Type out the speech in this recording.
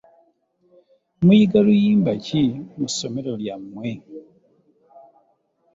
Muyiga luyimba ki mu ssomero lyammwe?